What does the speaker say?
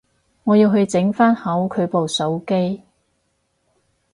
我要去整返好佢部手機